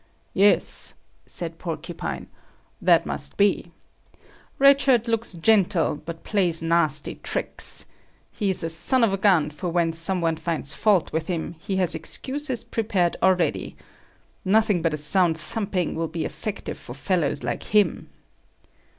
"Yes," said Porcupine. "That must be. Red Shirt looks gentle, but plays nasty tricks. He is a sonovagun for when some one finds fault with him, he has excuses prepared already. Nothing but a sound thumping will be effective for fellows like him."